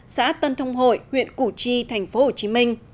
xã tân thông hội huyện củ chi tp hcm